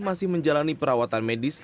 masih menjalani perawatan medis